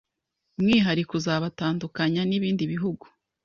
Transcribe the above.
umwihariko uzabatandukanya n’ibindi bihugu.